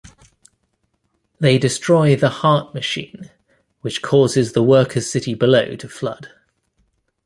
They destroy the Heart Machine, which causes the workers' city below to flood.